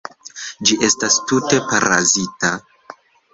Ĝi estas tute parazita.